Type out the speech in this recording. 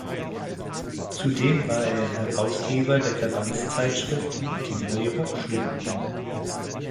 Zudem war er Herausgeber der Verbandszeitschrift „Die neue Hochschule“.